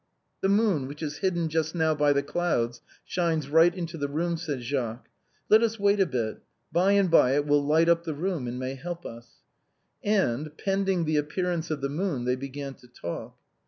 " The moon, which is hidden just now by the clouds, shines right into the room," said Jacques. " Let us wait a bit ; by and by it will light up the room, and may help us." And, pending the appearance of the moon, they began to talk.